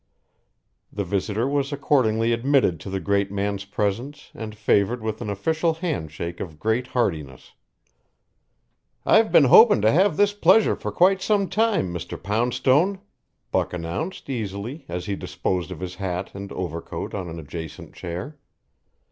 The visitor was accordingly admitted to the great man's presence and favoured with an official handshake of great heartiness. "I've been hoping to have this pleasure for quite some time, Mr. Poundstone," Buck announced easily as he disposed of his hat and overcoat on an adjacent chair.